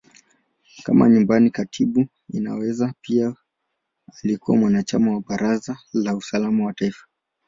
Kama Nyumbani Katibu, Inaweza pia alikuwa mwanachama wa Baraza la Usalama wa Taifa.